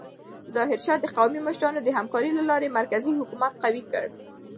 ظاهرشاه د قومي مشرانو د همکارۍ له لارې مرکزي حکومت قوي کړ.